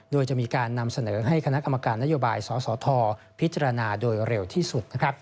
โดยจะมีการนำเสนอให้คณะกรรมการนโยบายสสทพิจารณาโดยเร็วที่สุด